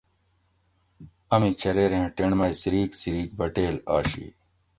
امی چریریں ٹِنڈ مئی څِریک څِریک بٹیل آشی